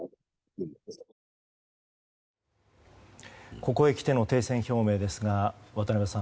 ここへ来ての停戦表明ですが渡辺さん。